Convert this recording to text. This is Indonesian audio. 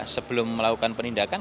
sebelum melakukan penindakan